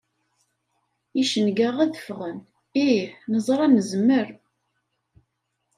Icenga ad ffɣen, ih, neẓra nezmer.